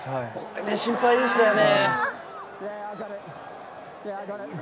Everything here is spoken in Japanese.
心配でしたよね。